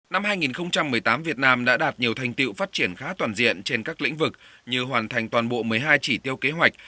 năm hai nghìn một mươi tám việt nam đã đạt nhiều thành tiệu phát triển khá toàn diện trên các lĩnh vực như hoàn thành toàn bộ một mươi hai chỉ tiêu kế hoạch